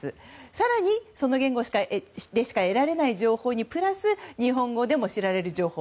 更に、その言語でしか得られない情報にプラス日本語でも知られる情報。